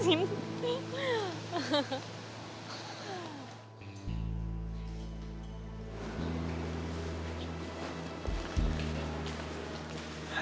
dengar dua puluh menit kan